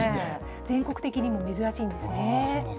全国的にも珍しいんですね。